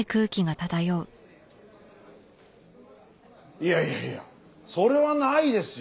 いやいやいやそれはないですよ！